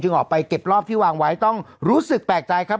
ออกไปเก็บรอบที่วางไว้ต้องรู้สึกแปลกใจครับ